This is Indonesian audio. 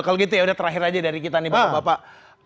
kalau gitu ya udah terakhir aja dari kita nih bapak bapak